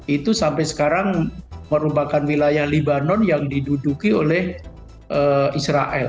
itu sampai sekarang merupakan wilayah libanon yang diduduki oleh israel